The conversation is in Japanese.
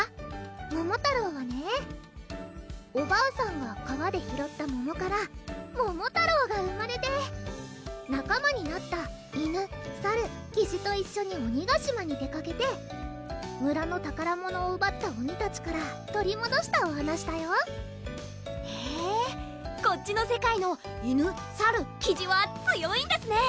ももたろうはねおばあさんが川で拾ったももからももたろうが生まれて仲間になった犬・サル・キジと一緒に鬼ヶ島に出かけて村の宝物をうばった鬼たちから取りもどしたお話だよへぇこっちの世界の犬・サル・キジは強いんですね！